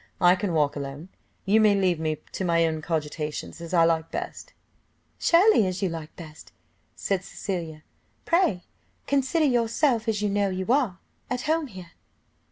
I can walk alone, you may leave me to my own cogitations, as I like best." "Surely, as you like best," said Lady Cecilia; "pray consider yourself, as you know you are, at home here."